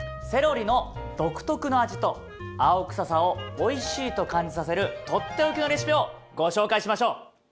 セロリの独特の味と青臭さをおいしいと感じさせる取って置きのレシピをご紹介しましょう！